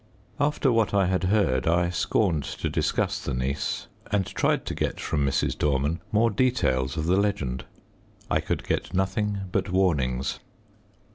After what I had heard I scorned to discuss the niece, and tried to get from Mrs. Dorman more details of the legend. I could get nothing but warnings.